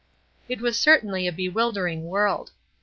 It was certainly a bewildering world.